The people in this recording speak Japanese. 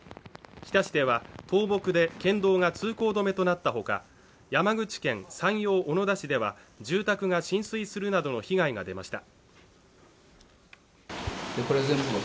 日田市では倒木で県道が通行止めとなったほか山口県山陽小野田市では住宅が浸水するなどの被害が出ました。